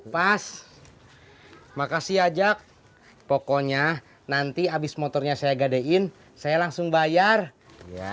pas makasih ajak pokoknya nanti habis motornya saya gadein saya langsung bayar ya